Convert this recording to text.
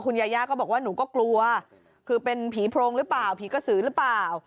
ยายาก็บอกว่าหนูก็กลัวคือเป็นผีโพรงหรือเปล่าผีกระสือหรือเปล่า